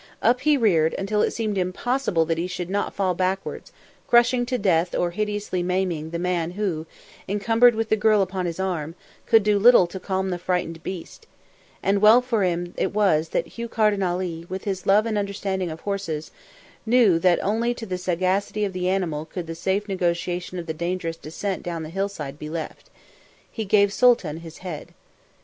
Up he reared, until it seemed impossible that he should not fall backwards, crushing to death or hideously maiming the man who, encumbered with the girl upon his arm, could do little to calm the frightened beast, And well for them was it that Hugh Carden Ali, with his love and understanding of horses, knew that only to the sagacity of the animal could the safe negotiation of the dangerous descent down the hillside be left. He gave Sooltan his head.